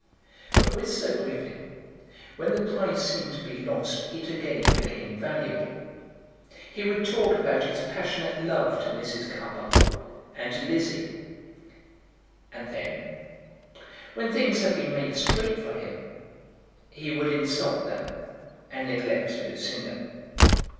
But with Sir Griffin, when the prize seemed to be lost, it again became valuable. He would talk about his passionate love to Mrs. Carbuncle, and to Lizzie, and then, when things had been made straight for him, he would insult them, and neglect Lucinda.